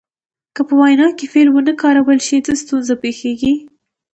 که په وینا کې فعل ونه کارول شي څه ستونزه پیښیږي.